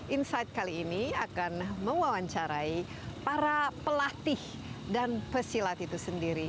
insight kali ini akan mewawancarai para pelatih dan pesilat itu sendiri